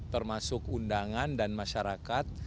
termasuk undangan dan masyarakat